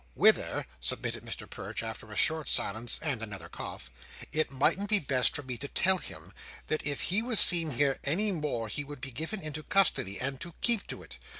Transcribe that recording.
"Whether," submitted Mr Perch, after a short silence, and another cough, "it mightn't be best for me to tell him, that if he was seen here any more he would be given into custody; and to keep to it!